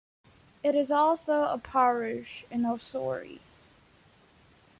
It is also a parish in Ossory.